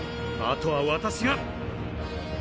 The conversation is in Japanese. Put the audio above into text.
あとは私が！